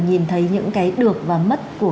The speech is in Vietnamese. nhìn thấy những cái được và mất của